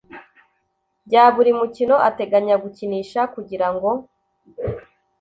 bya buri mukino ateganya gukinisha kugira ngo